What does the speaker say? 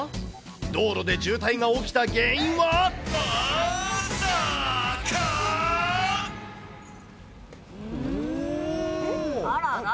道路で渋滞が起きた原因は？あらら。